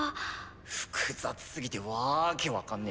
複雑すぎてわけ分かんねぇ。